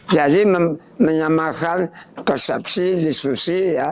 jadi menyambahkan persepsi diskusi